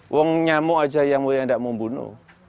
wong nyamuk saja yang mau yang tidak mau membunuh